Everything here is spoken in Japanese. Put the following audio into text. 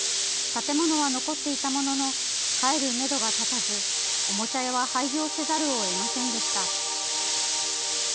建物は残っていたものの帰るめどが立たずおもちゃ屋は廃業せざるを得ませんでした。